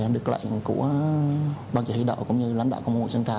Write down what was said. được lệnh của bác chủ thị đạo cũng như lãnh đạo công an quận sơn trà